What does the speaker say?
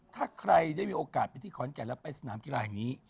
ถ้าใครได้มีโอกาสไปที่ขอนแก่นแล้วไปสนามกีฬาแห่งนี้